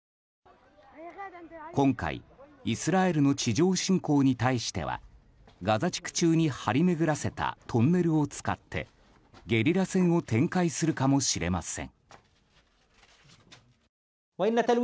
今回、イスラエルの地上侵攻に対してはガザ地区中に張り巡らせたトンネルを使ってゲリラ戦を展開するかもしれません。